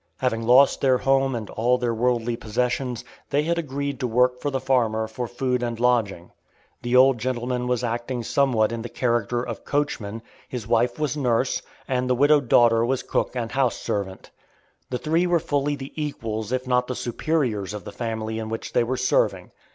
Having lost their home and all their worldly possessions, they had agreed to work for the farmer for food and lodging. The old gentleman was acting somewhat in the character of coachman; his wife was nurse; and the widowed daughter was cook and house servant. The three were fully the equals if not the superiors of the family in which they were serving.